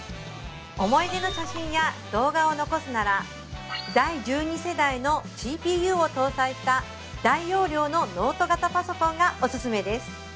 思い出の写真や動画を残すなら第１２世代のＣＰＵを搭載した大容量のノート型パソコンがおすすめです